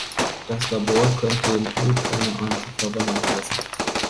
Das Labor konnte im Blut keine Antikörper nachweisen.